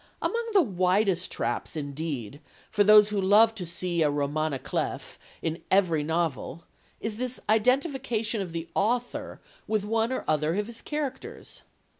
Among the widest traps, indeed, for those who love to see a roman à clef in every novel, is this identification of the author with one or other of his characters.